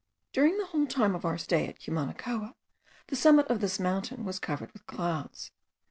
During the whole time of our stay at Cumanacoa, the summit of this mountain was covered with clouds.